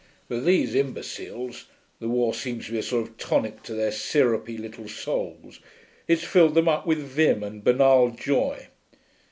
But these imbeciles the war seems to be a sort of tonic to their syrupy little souls; it's filled them up with vim and banal joy.